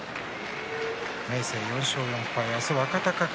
明生は４勝４敗明日は若隆景。